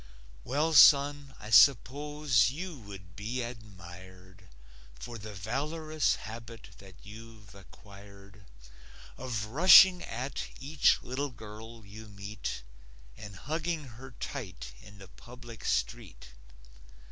Well, son, I suppose you would be admired For the valorous habit that you've acquired Of rushing at each little girl you meet And hugging her tight in the public street.